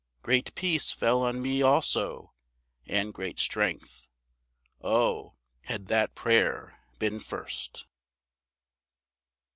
Great peace fell on me also, and great strength Oh, had that prayer been first!